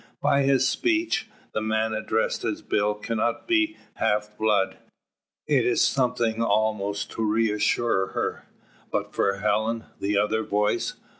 By his speech, the man addressed as Bill cannot be the half blood. It is something almost to reassure her. But for Helen the other voice!